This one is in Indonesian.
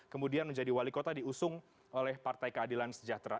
kemudian menjadi wali kota diusung oleh partai keadilan sejahtera